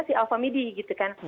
si alphamidi gitu kan